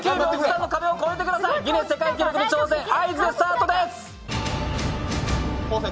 ギネス世界記録に挑戦合図でスタートです。